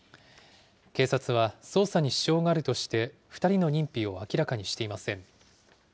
警察は捜査に支障があるとして、２人の認否を明らかにしていません。